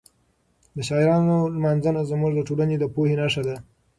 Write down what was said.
د شاعرانو لمانځنه زموږ د ټولنې د پوهې نښه ده.